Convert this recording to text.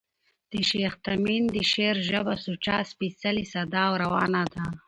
د شېخ تیمن د شعر ژبه سوچه، سپېڅلې، ساده او روانه ده.